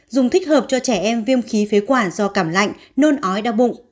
dùng thích hợp cho trẻ em viêm khí phế quản do cảm lạnh nôn ói đau bụng